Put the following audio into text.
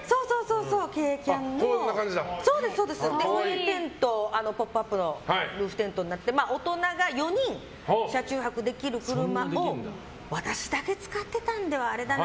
軽キャンのテント、ポップアップのルーフテントになっていて大人が４人、車中泊できる車を私だけ使ってたんではあれだな